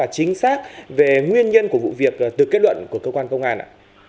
chính xác về nguyên nhân của vụ việc từ kết luận của cơ quan công an ạ